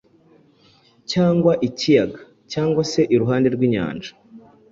cyangwa ikiyaga, cyangwa se iruhande rw’inyanja.